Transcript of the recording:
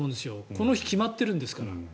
この日、決まってるんですから。